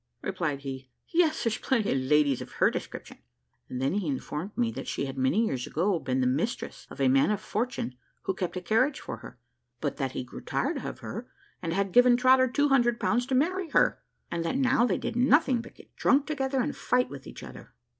replied he; "yes, there's plenty of ladies of her description;" and then he informed me that she had many years ago been the mistress of a man of fortune who kept a carriage for her; but that he grew tired of her, and had given Trotter 200 pounds to marry her, and that now they did nothing but get drunk together and fight with each other.